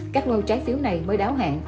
các lô trái phiếu này mới đáo hạn